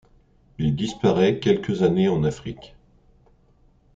Il disparaît quelques années en Afrique.